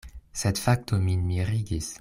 Sed fakto min mirigis.